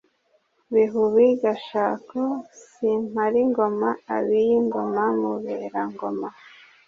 Bihubi Gashako Simparingoma Abiyingoma Muberangoma